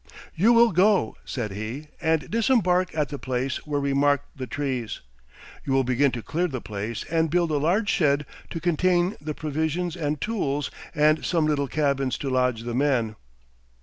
"You will go," said he, "and disembark at the place where we marked the trees. You will begin to clear the place and build a large shed to contain the provisions and tools and some little cabins to lodge the men."